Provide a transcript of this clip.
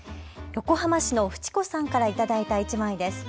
横浜市のふちこさんから頂いた１枚です。